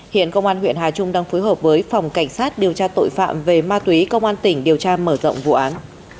hiện công an huyện hà trung đang phối hợp với phòng cảnh sát điều tra tội phạm về ma túy công an tỉnh điều tra mở rộng vụ án